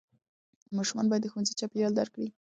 ماشوم باید د ښوونځي چاپېریال درک کړي.